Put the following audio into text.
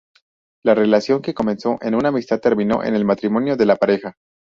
La relación que comenzó en una amistad terminó en el matrimonio de la pareja.